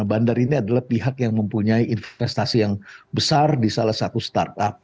bandar ini adalah pihak yang mempunyai investasi yang besar di salah satu startup